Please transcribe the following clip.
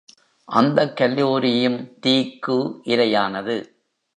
அந்தக் கல்லூரியும் தீக்கு இரையானது.